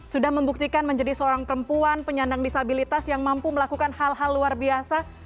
sudah membuktikan menjadi seorang perempuan penyandang disabilitas yang mampu melakukan hal hal luar biasa